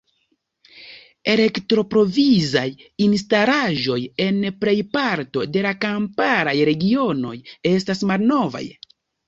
La elektroprovizaj instalaĵoj en plejparto de la kamparaj regionoj estas malnovaj.